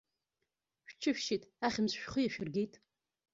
Шәҽышәшьит, ахьымӡӷ шәхы иашәыргеит!